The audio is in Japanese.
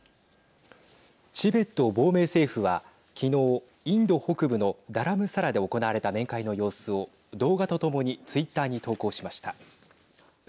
チベット亡命政府はきのう、インド北部のダラムサラで行われた面会の様子を動画とともにツイッターに投稿しました。